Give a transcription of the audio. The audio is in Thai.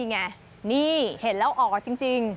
นี่ไงนี่เห็นแล้วอ๋อจริง